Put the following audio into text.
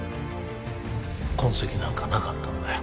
痕跡なんかなかったんだよ